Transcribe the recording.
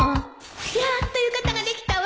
やっと浴衣ができたわ